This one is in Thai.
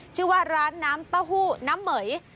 ชื่อว่าร้านน้ำเต้าหู้น้ำเหม๋ย